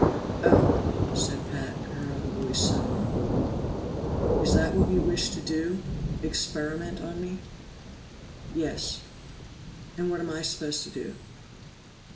"Oh," said Pat, her own voice suddenly cool. "Is that what you wish to do experiment on me?" "Yes." "And what am I supposed to do?"